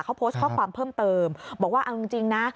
เขาโพสต์ข้อความเพิ่มเติมบอกว่าเอาจริงนะ